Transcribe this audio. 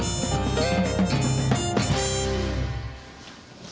えっ？